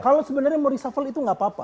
kalau sebenarnya mau reshuffle itu gak apa apa